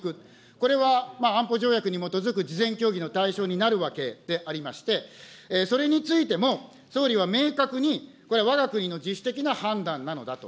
これは安保条約に基づく事前協議の対象になるわけでありまして、それについても、総理は明確にこれ、わが国の自主的な判断なのだと。